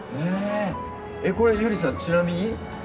これゆりさんちなみに？